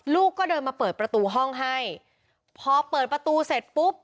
ลูกก็เดินมาเปิดประตูห้องให้พอเปิดประตูเสร็จปุ๊บ